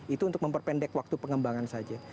itu untuk memperpendek waktu pengembangan saja